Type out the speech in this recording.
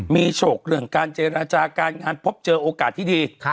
มีโชคเรื่องการเจรจาการงานพบเจอโอกาสที่ดี